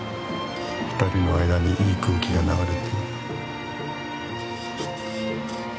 ２人の間にいい空気が流れてる。